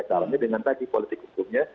caranya dengan tadi politik hukumnya